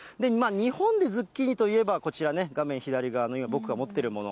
日本でズッキーニといえば、こちらね、画面左側に僕が持ってるもの。